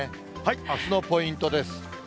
あすのポイントです。